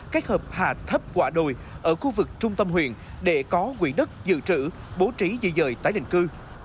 các hợp hà thấp quả đồi ở khu vực trung tâm huyện để có nguyện đất dự trữ bố trí dị dời tái định cư